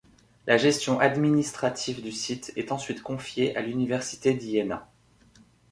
La gestion administrative du site est ensuite confiée à l’université d'Iéna.